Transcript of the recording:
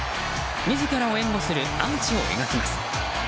自らを援護するアーチを描きます。